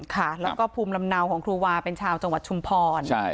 ค่ะแล้วก็ภูมิลำเนาของครูวาเป็นชาวจังหวัดชุมพร